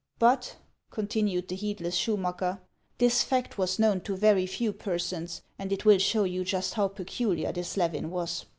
" But," continued the heedless Schumacker, " this fact was known to very few persons, and it will show you just how peculiar this Levin was.